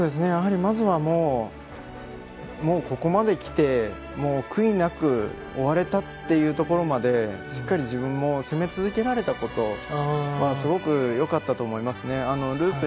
まずはここまできて悔いなく終われたというところまでしっかり自分を攻め続けられたことはすごくよかったと思いますね。